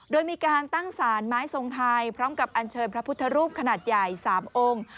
โดยมีการตั้งสารไม้ทรงไทยพร้อมกับอันเชิญพระพุทธรูปขนาดใหญ่๓องค์